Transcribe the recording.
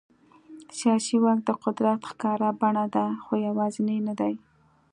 سیاسي واک د قدرت ښکاره بڼه ده، خو یوازینی نه دی.